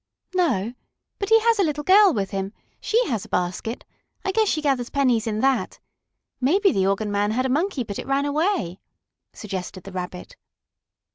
"No. But he has a little girl with him. She has a basket. I guess she gathers pennies in that. Maybe the organ man had a monkey but it ran away," suggested the Rabbit.